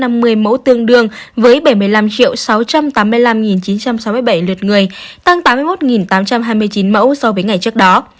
tổng số ca tử vong trên một triệu dân xếp thứ một nghìn chín trăm sáu mươi bảy lượt người tăng tám mươi một tám trăm hai mươi chín mẫu so với ngày trước đó